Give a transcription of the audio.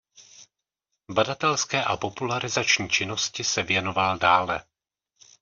Badatelské a popularizační činnosti se věnoval dále.